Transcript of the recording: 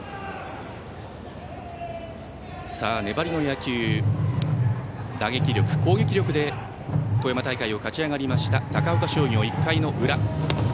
さあ、粘りの野球打撃力、攻撃力で富山大会を勝ち上がりました高岡商業、１回の裏。